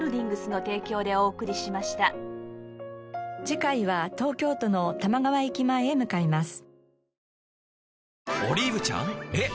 次回は東京都の多摩川駅前へ向かいます。